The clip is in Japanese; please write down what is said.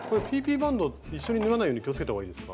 バンド一緒に縫わないように気をつけたほうがいいですか？